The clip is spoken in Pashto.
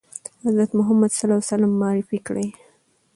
حضرت محمد معرفي کړی ؟